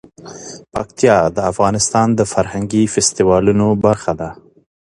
پکتیا د افغانستان د فرهنګي فستیوالونو برخه ده.